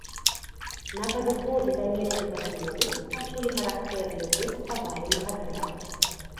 На падыходзе да месца забудовы пачулі характэрны гук паваленага дрэва.